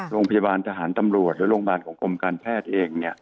โรงพยาบาลทหารตำรวจหรือโรงพยาบาลของกรมการแพทย์เอง